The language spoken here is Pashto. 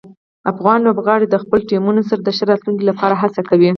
افغان لوبغاړي د خپلو ټیمونو سره د ښه راتلونکي لپاره هڅه کوي.